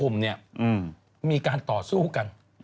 มีการต่อสู้กัน